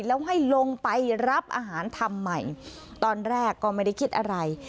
แล้วให้ลงไปรับอาหารทำใหม่ตอนแรกก็ไม่ได้คิดอะไร